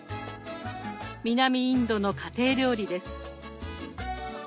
南インドの家庭料理です。